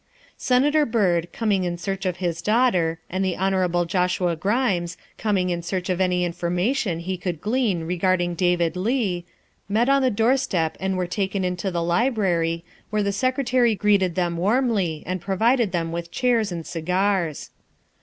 Senator Byrd, coming in search of his daughter, and the Hon. Joshua Grimes, coming in search of any in formation he could glean regarding David Leigh, met on the doorstep and were taken into the library, where the Secretary greeted them warmly and provided them with chairs and cigars.